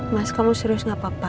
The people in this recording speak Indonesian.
mas kamu serius gak papa